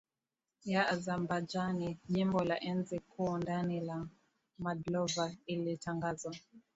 ya Azabajani Jimbo la enzi kuu ndani ya Moldova lilitangazwa